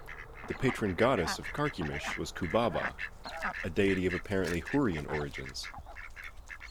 The patron goddess of Carchemish was Kubaba, a deity of apparently Hurrian origins.